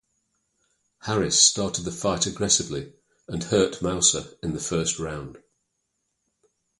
Harris started the fight aggressively, and hurt Maussa in the first round.